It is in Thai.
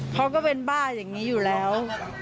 เขาก็เป็นบ้าอย่างนี้อยู่แล้ว